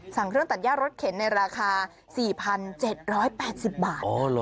สั่งเครื่องตัดย่ารถเข็นในราคา๔๗๘๐บาท